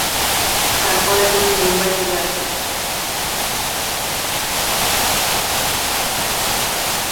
তারপরে তিনি মুম্বাই চলে আসেন।